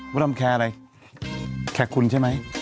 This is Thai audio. ดำแคร์อะไรแคร์คุณใช่ไหม